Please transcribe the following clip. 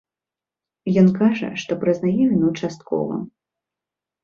Ён кажа, што прызнае віну часткова.